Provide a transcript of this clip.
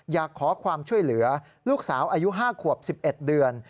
อยากขอความช่วยเหลือลูกสาวอายุ๕ขวบ๑๑เดือน